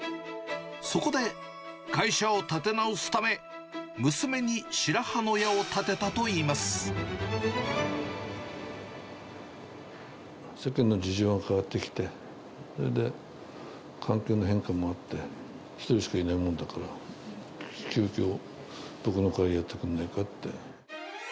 そこで、会社を立て直すため、世間の事情が変わってきて、それで環境の変化もあって、一人しかいないものだから、急きょ、僕の代わりをやってくんないかって。